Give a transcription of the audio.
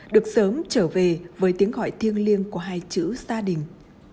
được sớm trở về với tiếng gọi thiêng liêng của hai chữ gia đình